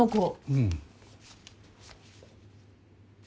うん。